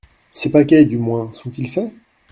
Ses paquets, du moins, sont-ils faits ?